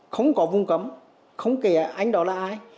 không có vùng cấm không kể anh đó là ai